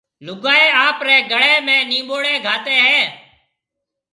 لوگائيَ آپريَ گݪيَ ۾ نيمٻوڙي گھاتيَ ھيَََ